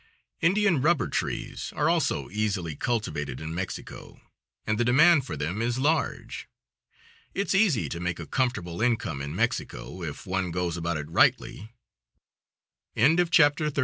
Indian rubber trees are also easily cultivated in Mexico, and the demand for them is large. It's easy to make a comfortable income in Mexico, if one goes about it rightly. CHAPTER XXXIV.